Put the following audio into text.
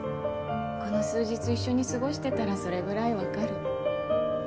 この数日一緒に過ごしてたらそれぐらいわかる。